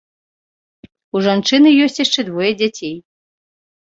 У жанчыны ёсць яшчэ двое дзяцей.